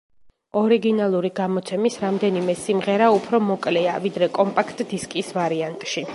ორიგინალური გამოცემის რამდენიმე სიმღერა უფრო მოკლეა, ვიდრე კომპაქტ დისკის ვარიანტში.